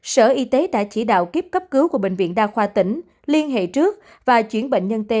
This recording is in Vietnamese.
sở y tế đã chỉ đạo kiếp cấp cứu của bệnh viện đa khoa tỉnh liên hệ trước và chuyển bệnh nhân t